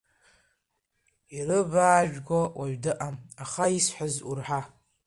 Илыбаажәго уаҩ дыҟам, аха исҳәаз урҳа!